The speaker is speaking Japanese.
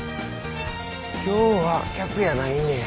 今日は客やないねや。